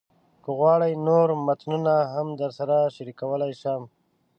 که غواړئ، نور متنونه هم درسره شریکولی شم.